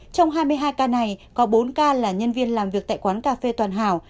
trong hai mươi hai ca này có bốn ca là nhân viên làm việc tại quán cà phê toàn hảo